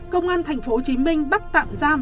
công an tp hcm bắt tạm giam